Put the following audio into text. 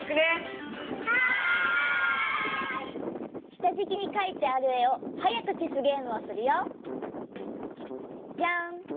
したじきにかいてあるえをはやくけすゲームをするよ。じゃん！